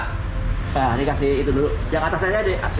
nah ini kasih itu dulu yang atas saja deh